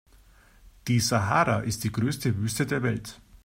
Die Sahara ist die größte Wüste der Welt.